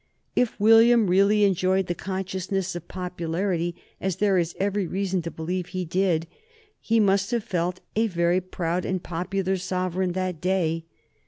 If William really enjoyed the consciousness of popularity, as there is every reason to believe he did, he must have felt a very proud and popular sovereign that day.